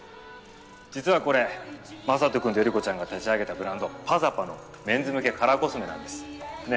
実はこれ雅人君と頼子ちゃんが立ち上げたブランド「ｐａｚａｐａ」のメンズ向けカラーコスメなんですね？